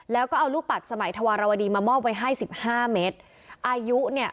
แล้วก็เอาลูกปัดสมัยธวรวดีมามอบไว้ให้สิบห้าเมตรอายุเนี่ย